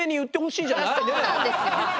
そうなんですよ！